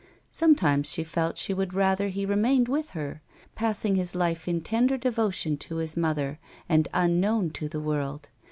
Sometimes she felt she would rather he remained with her, passing his life in tender devotion to his mother and unknown to the world.